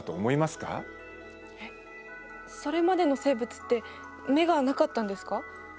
それまでの生物って眼がなかったんですか？